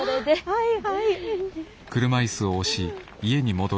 はいはい。